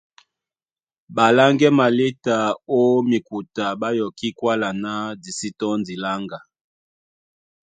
Ɓaláŋgɛ́ maléta ó mikuta ɓá yɔkí kwála ná di sí tɔ́ndi láŋga;